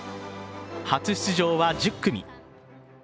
初出場は１０組。